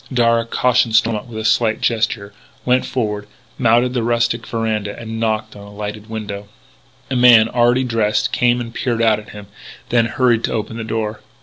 Darragh, cautioning Stormont with a slight gesture, went forward, mounted the rustic veranda, and knocked at a lighted window. A man, already dressed, came and peered out at him, then hurried to open the door.